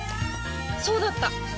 そうだった！